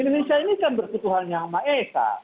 indonesia ini kan bertukuhan yang ma'esah